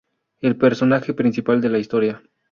El personaje principal de la historia.